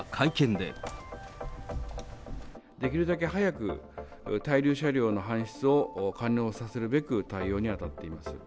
できるだけ早く、滞留車両の搬出を完了させるべく、対応に当たっています。